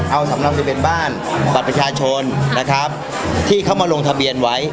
เอาสำหรับทะเบียนบ้านบัตรประชาชนนะครับที่เขามาลงทะเบียนไว้